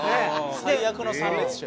最悪の参列者や。